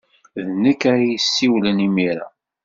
D nekk ara yessiwlen imir-a.